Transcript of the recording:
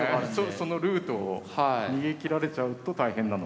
そのルートを逃げきられちゃうと大変なので。